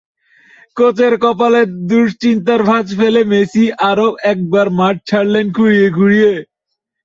কোচের কপালে দুশ্চিন্তার ভাঁজ ফেলে মেসি আরও একবার মাঠ ছাড়লেন খুঁড়িয়ে খুঁড়িয়ে।